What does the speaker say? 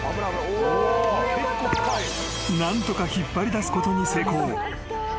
［何とか引っ張りだすことに成功］